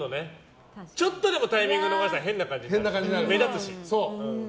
ちょっとでもタイミング逃したら変な感じになるしね